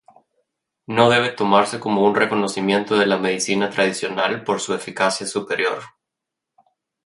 No debe tomarse como un reconocimiento de la medicina tradicional por su eficacia superior.